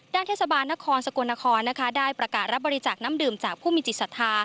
ด้านเทศบาลนครสกลนครได้ประกาศรับบริจักษ์น้ำดื่มจากผู้มีจิตศาสตร์